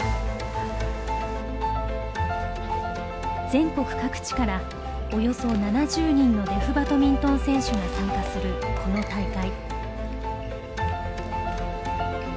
全国各地からおよそ７０人のデフバドミントン選手が参加するこの大会。